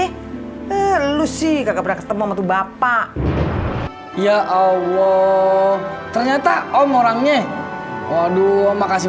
eh lu sih kak pernah ketemu sama tuh bapak ya allah ternyata om orangnya waduh makasih